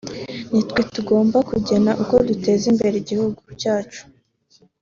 Ni twe tugomba kugena uko duteza imbere igihugu cyacu